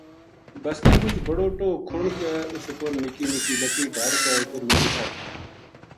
بسطے مچ بڑو ٹوہ کھن اُس اُپر نکی نکی لکڑی دھر کے اُپر مِٹی سٹ